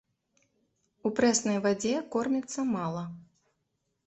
У прэснай вадзе корміцца мала.